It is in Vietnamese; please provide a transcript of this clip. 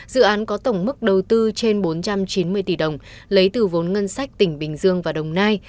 dự án có tổng mức đầu tư trên bốn trăm chín mươi tỷ đồng lấy từ vốn ngân sách tỉnh bình dương và đồng nai